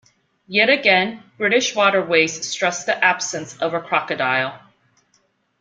Yet again, British Waterways stressed the absence of a crocodile.